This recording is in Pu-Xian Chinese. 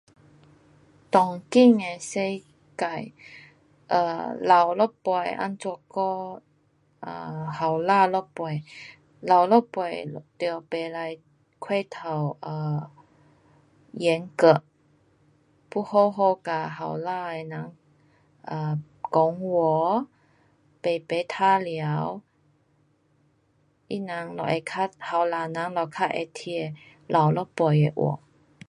当今的世界 um 老一辈怎么讲 um 年轻一辈。老一辈得不可过头 um 严格，要好好跟年轻的人 um 讲话。排排玩耍，他们就会就较听老一辈的话。